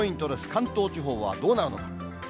関東地方はどうなるのか。